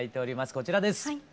こちらです。